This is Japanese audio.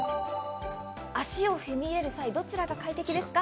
足を踏み入れる際、どっちが快適ですか？